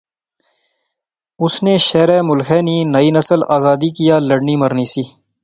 اس نے شہرے ملخے نی نئی نسل آزادی کیا لڑنی مرنی سی